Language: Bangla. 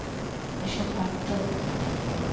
এসব বাদ দাও!